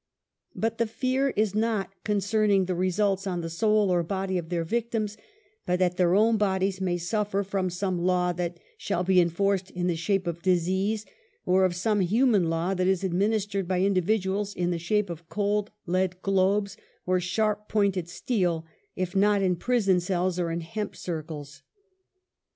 But the "fear" is not concerning the results on the soul or body of their victims, but that their own bodies may suffer from some law that shall be enforced in the shape of disease, or of some human, law that is administered by individuals in the shape of cold lead globes, or sharp pointed steel if not in prison cells, or in hemp circles.